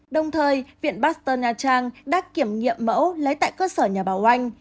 đồng thời viện baxter nha trang đã kiểm nghiệm mẫu lấy tại cơ sở nhà bảo oanh